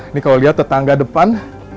ini kalau lihat tetangga depan